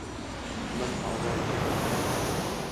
Min ava kir.